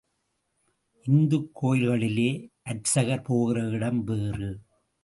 இந்துக் கோயில்களிலே அர்ச்சகர் போகிற இடம் வேறு.